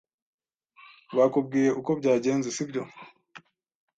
Bakubwiye uko byagenze, sibyo?